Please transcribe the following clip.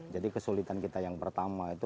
jadi kesulitan kita yang pertama itu